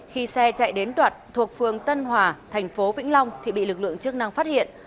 khi xe chạy đến đoạt thuộc phương tân hòa tp vĩnh long thì bị lực lượng chức năng phát hiện